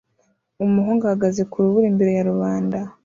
Umuhungu ahagaze ku rubura imbere ya rubanda